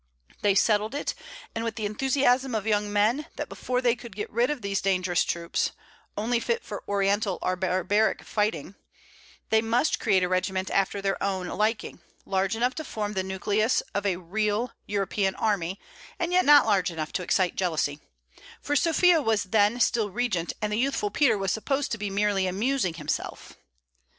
They settled it, and with the enthusiasm of young men, that before they could get rid of these dangerous troops, only fit for Oriental or barbaric fighting, they must create a regiment after their own liking, large enough to form the nucleus of a real European army, and yet not large enough to excite jealousy, for Sophia was then still regent, and the youthful Peter was supposed to be merely amusing himself.